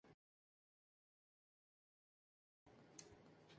En Estados Unidos y Sri Lanka.